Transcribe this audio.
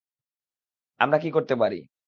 আমরা কি করতে পারি?